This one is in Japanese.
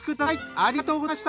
ありがとうございます。